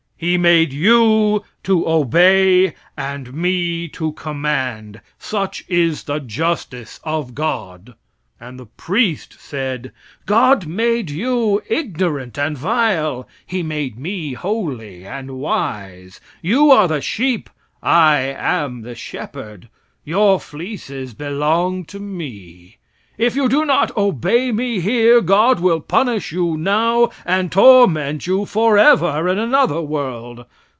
He made you to obey and me to command. Such is the justice of God," And the priest said: "God made you ignorant and vile; He made me holy and wise; you are the sheep, I am the shepherd; your fleeces belong to me. If you do not obey me here, God will punish you now and torment you forever in another world.